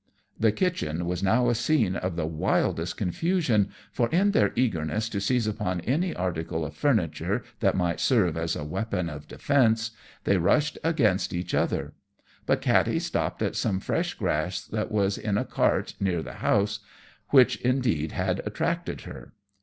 The kitchen was now a scene of the wildest confusion, for in their eagerness to seize upon any article of furniture that might serve as a weapon of defence, they rushed against each other; but Katty stopped at some fresh grass that was in a cart near the house, which indeed had attracted her.